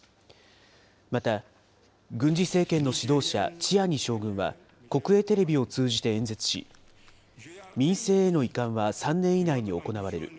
また、軍事政権の指導者、チアニ将軍は国営テレビを通じて演説し、民政への移管は３年以内に行われる。